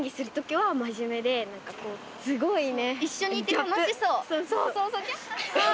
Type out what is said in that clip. すごいね。